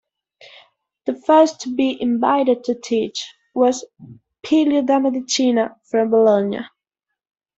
The first to be invited to teach was Pillio da Medicina from Bologna.